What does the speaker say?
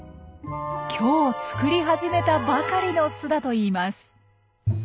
今日作り始めたばかりの巣だといいます。